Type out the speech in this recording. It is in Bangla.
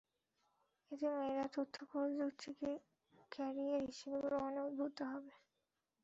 এতে মেয়েরা তথ্যপ্রযুক্তিকে ক্যারিয়ার হিসেবে গ্রহণে উদ্বুদ্ধ হবে।